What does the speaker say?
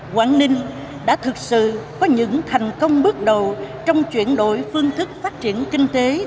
quảng ninh đã thực sự có những thành công bước đầu trong chuyển đổi phương thức phát triển kinh tế